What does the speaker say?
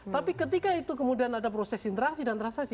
tapi ketika itu kemudian ada proses interaksi dan transaksi